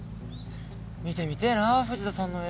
見てみてぇな藤田さんの絵。